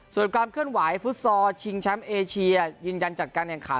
ส่วนความเคลื่อนไหวฟุตซอลชิงแชมป์เอเชียยืนยันจัดการแข่งขัน